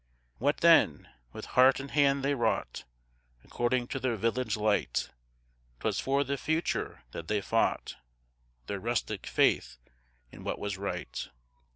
What then? With heart and hand they wrought According to their village light; 'Twas for the Future that they fought, Their rustic faith in what was right.